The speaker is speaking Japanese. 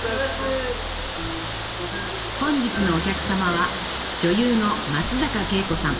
本日のお客様は女優の松坂慶子さん。